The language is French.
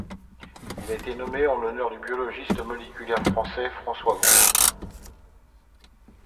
Il a été nommé en l'honneur du biologiste moléculaire français François Gros.